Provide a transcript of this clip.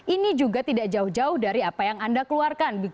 ini juga tidak jauh jauh dari apa yang anda keluarkan